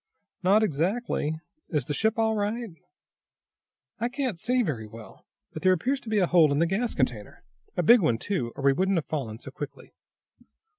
"Not exactly. Is the ship all right?" "I can't see very well, but there appears to be a hole in the gas container. A big one, too, or we wouldn't have fallen so quickly."